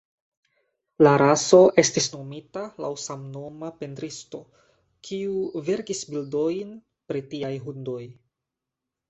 La raso estis nomita laŭ samnoma pentristo, kiu verkis bildojn pri tiaj hundoj.